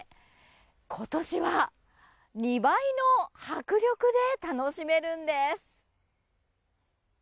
今年は、２倍の迫力で楽しめるんです。